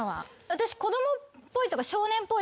私子供っぽいとか。